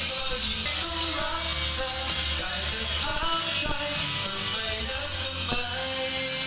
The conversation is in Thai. เมื่อยิ่งรู้รักเธอแก่แต่ถามใจทำไมน่าทำไม